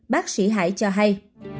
bác sĩ hải cho hay